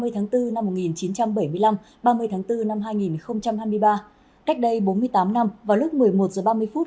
ba mươi tháng bốn năm một nghìn chín trăm bảy mươi năm ba mươi tháng bốn năm hai nghìn hai mươi ba cách đây bốn mươi tám năm vào lúc một mươi một h ba mươi phút